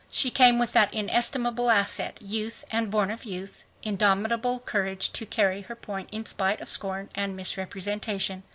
She came with that inestimable asset, youth, and, born of youth, indomitable courage to carry her point in spite of scorn and misrepresentation.